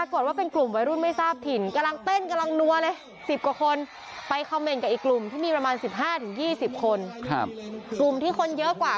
ตะลุมบอนกันอยู่ใน๒๕๓๐คน